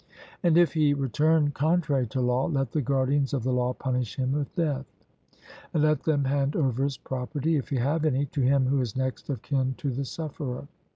And if he return contrary to law, let the guardians of the law punish him with death; and let them hand over his property, if he have any, to him who is next of kin to the sufferer.